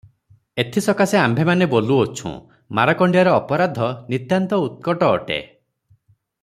ଏଥିସକାଶେ ଆମ୍ଭେମାନେ ବୋଲୁଅଛୁଁ, ମାରକଣ୍ତିଆର ଅପରାଧ ନିତାନ୍ତ ଉତ୍କଟ ଅଟେ ।